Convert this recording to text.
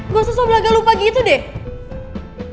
gak usah sobelaga lu pagi itu deh